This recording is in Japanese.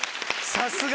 さすが！